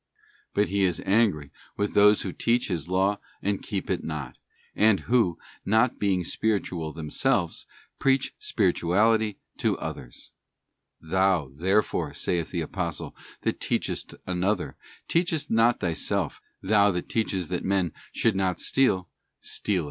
'f But He is angry with those who teach His law and keep it not, and who not being spiritual themselves, preach spirituality to others. 'Thou, therefore,' saith the Apostle, 'that teachest another, teachest not thyself; thou that teachest that men should not steal, stealest.